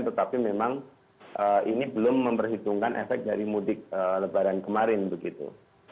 tetapi memang ini belum memperhitungkan efek dari mudik lebaran kemarin begitu